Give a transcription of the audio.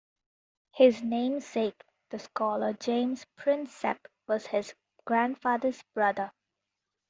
His namesake, the scholar James Prinsep, was his grandfather's brother.